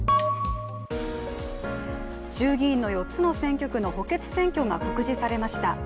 衆議院の４つの選挙区の補欠選挙が告示されました。